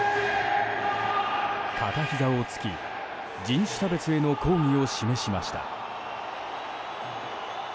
片ひざをつき人種差別への抗議を示しました。